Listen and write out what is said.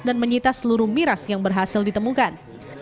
dan menyita seluruh miras yang berhasil ditemukan